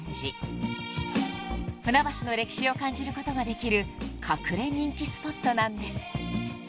［船橋の歴史を感じることができる隠れ人気スポットなんです］